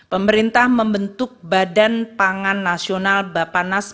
pemerintah membentuk badan pangan nasional bapanas